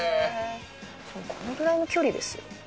このぐらいの距離ですよ実際。